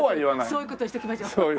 そういう事にしときましょう。